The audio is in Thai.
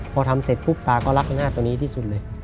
พอทำเสร็จปุ๊บตาก็รักหน้าตัวนี้ที่สุดเลย